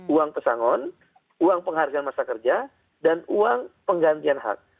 uang pesangon uang penghargaan masa kerja dan uang penggantian hak